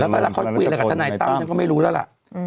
เวลาเขาคุยอะไรกับทนายตั้มฉันก็ไม่รู้แล้วล่ะ